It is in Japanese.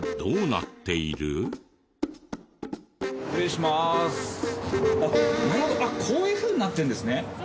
なるほどこういうふうになってるんですね。